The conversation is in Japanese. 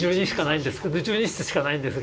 １２室しかないんですが。